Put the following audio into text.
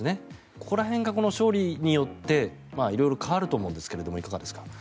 ここら辺が勝利によって色々変わると思うんですがいかがですか？